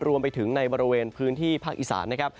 รวมไปถึงในบริเวณพื้นที่ภาคอีสานนะครับ